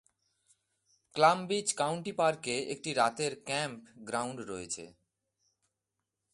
ক্লাম beach county পার্কে একটি রাতের ক্যাম্প গ্রাউন্ড রয়েছে।